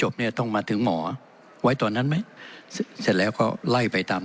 เนี่ยต้องมาถึงหมอไว้ตอนนั้นไหมเสร็จแล้วก็ไล่ไปตาม